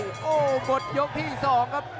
โอ้โหหมดยกที่๒ครับ